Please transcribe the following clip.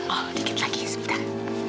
oh dikit lagi sebentar